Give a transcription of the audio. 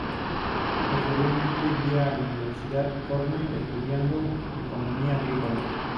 Posteriormente iría a la Universidad Cornell estudiando economía agrícola.